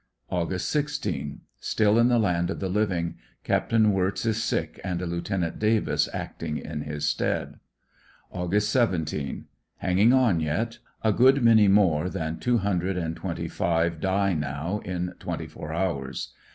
Aug. 16. — Still in the land of thelivinp^. Capt. Wirtz is sick and a Lieut. Davis acting in his stead. Ang. 17. — Hanging on yet. A good many more than two hun dred and twenty five die now in twenty four hours.